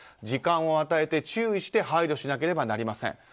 時間を与えて注意して配慮しなければなりません。